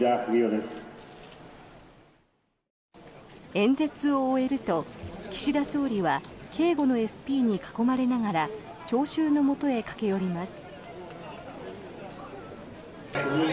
演説を終えると岸田総理は警護のＳＰに囲まれながら聴衆のもとへ駆け寄ります。